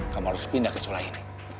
kamu harus pindah ke sekolah ini